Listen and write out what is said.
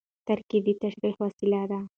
ترکیب د تشریح وسیله ده.